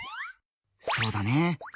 そうだね。